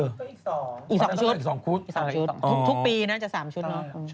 ก็อีก๒คุ้ดอีก๒คุ้ดทุกปีน่าจะ๓ชุดเนอะ